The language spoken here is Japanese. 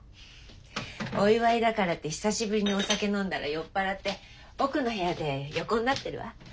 お祝いだからって久しぶりにお酒飲んだら酔っ払って奥の部屋で横になってるわ。